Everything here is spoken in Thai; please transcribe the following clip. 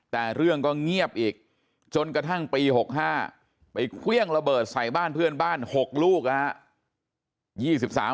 แต่เรื่องก็เงียบอีกจนกระทั่งปี๖๕ไปเครื่องระเบิดใส่บ้านเพื่อนบ้าน๖ลูกนะครับ